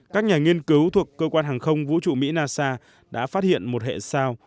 các nhà nghiên cứu thuộc cơ quan hàng không vũ trụ mỹ nasa đã phát hiện một hệ sao